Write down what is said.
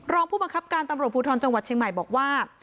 รองผู้บังคับการตำรวจภูทรจังหวัดเชียงใหม่บอกว่า